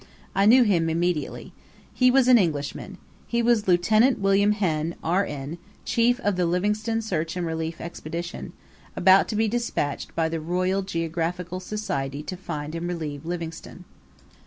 I knew him immediately. He was an Englishman. He was Lieut. William Henn, R.N., chief of the Livingstone Search and Relief Expedition, about to be despatched by the Royal Geographical Society to find and relieve Livingstone.